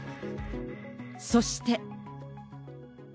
そして。